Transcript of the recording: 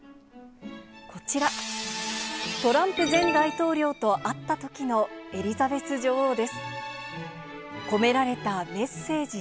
こちら、トランプ前大統領と会ったときのエリザベス女王です。